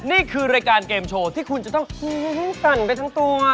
นี่คือรายการเกมโชว์ที่คุณจะต้องคุ้มสั่นไปทั้งตัว